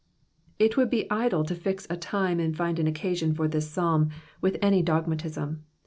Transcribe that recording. — It would be idle to fix a time, and find an occasion for this Psalm with any dogmatism.